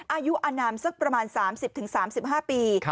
อายุอนามสักประมาณ๓๐๓๕ปี